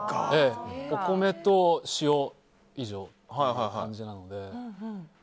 お米と塩、以上って感じなので。